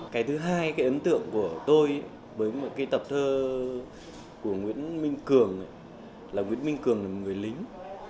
cái thứ hai cái ấn tượng của tôi với một cái tập thơ của nguyễn minh cường là nguyễn minh cường là một người lính